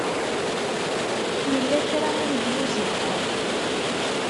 Yella kra i m-d-yuzen Tom.